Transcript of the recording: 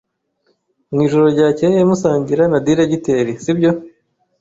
Mwijoro ryakeye musangira na Diregiteri, sibyo?